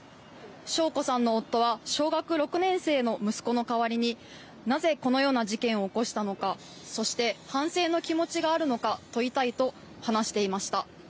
晶子さんの夫は小学６年生の息子の代わりになぜ、このような事件を起こしたのかそして、反省の気持ちがあるのか問いたいと話していました。